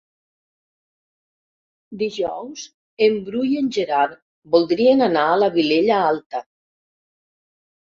Dijous en Bru i en Gerard voldrien anar a la Vilella Alta.